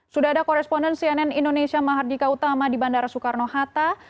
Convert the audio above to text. sudah ada koresponden cnn indonesia mahardika utama di bandara soekarno hatta